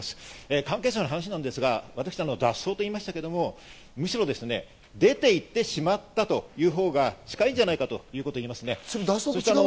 関係者の話なんですが、私、脱走と言いましたけど、むしろ出て行ってしまったというほうが近いんじゃないかっていうことですね。